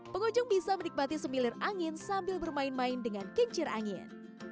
pengunjung bisa menikmati semilir angin sambil bermain main dengan kincir angin